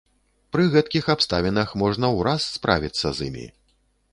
Пры гэткіх абставінах можна ўраз справіцца з імі.